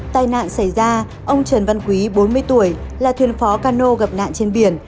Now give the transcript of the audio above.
tai nạn xảy ra ông trần văn quý bốn mươi tuổi là thuyền phó cano gặp nạn trên biển